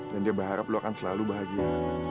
dan dia berharap lo akan selalu bahagia